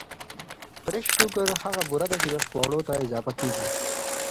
Fresh sugars هغه بوره ده چې خواړو ته اضافه کېږي.